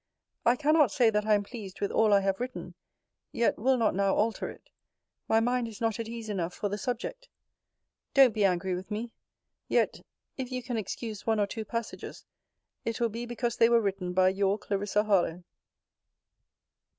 I cannot say that I am pleased with all I have written yet will not now alter it. My mind is not at ease enough for the subject. Don't be angry with me. Yet, if you can excuse one or two passages, it will be because they were written by Your CLARISSA HARLOWE.